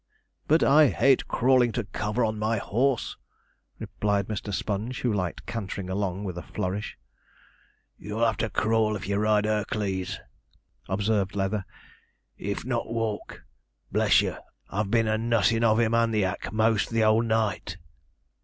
'But I hate crawling to cover on my horse,' replied Mr. Sponge, who liked cantering along with a flourish. 'You'll have to crawl if you ride 'Ercles,' observed Leather, 'if not walk. Bless you! I've been a nussin' of him and the 'ack most the 'ole night.'